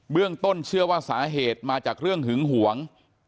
เรื่องต้นเชื่อว่าสาเหตุมาจากเรื่องหึงหวง